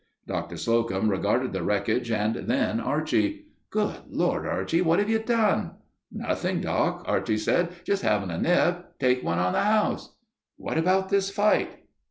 Doctor Slocum regarded the wreckage and then Archie. "Good Lord, Archie, what have you done?" "Nothing, Doc," Archie said. "Just having a nip. Take one on the house...." "What about this fight?"